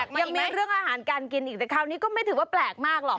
ยังมีเรื่องอาหารการกินอีกแต่คราวนี้ก็ไม่ถือว่าแปลกมากหรอก